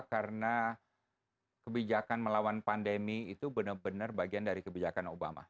karena kebijakan melawan pandemi itu benar benar bagian dari kebijakan obama